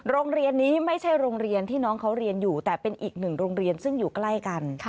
โรงเรียนนี้ไม่ใช่โรงเรียนที่น้องเขาเรียนอยู่แต่เป็นอีกหนึ่งโรงเรียนซึ่งอยู่ใกล้กัน